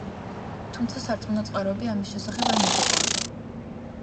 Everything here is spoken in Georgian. თუმცა სარწმუნო წყაროები ამის შესახებ არ მოგვეპოვება.